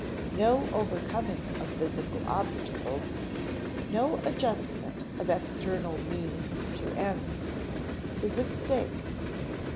No overcoming of physical obstacles, no adjustment of external means to ends, is at stake.